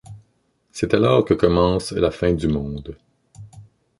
C'est alors que commence la fin du monde.